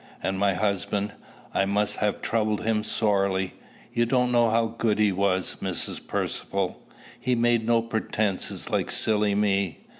And my husband I must have troubled him sorely. You don't know how good he was, Mrs. Percivale. He made no pretences like silly me.